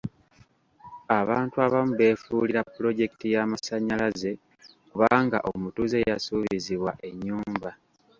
Abantu abamu beefuulira pulojekiti y'amasanyalaze kubanga omutuuze yasuubizibwa ennyumba.